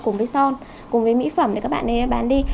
cùng với son cùng với mỹ phẩm để các bạn ấy bán đi